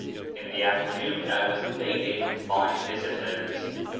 In the afternoon I was invaded by visitors.